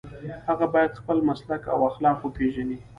هغه باید خپل مسلک او اخلاق وپيژني.